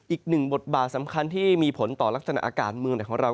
อีกหนึ่งบทบาทสำคัญที่มีผลต่อลักษณะอากาศเมืองไหนของเรา